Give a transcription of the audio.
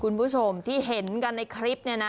คุณผู้ชมที่เห็นกันในคลิปเนี่ยนะ